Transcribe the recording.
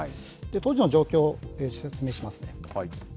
当時の状況、説明しますね。